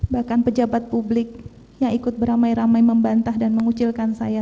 bahkan pejabat publik yang ikut beramai ramai membantah dan mengucilkan saya